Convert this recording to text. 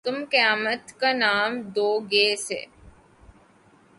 تم قیامت کا نام دو گے اِسے